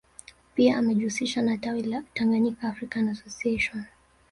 Pia amejihusisha na tawi la Tanganyika African Association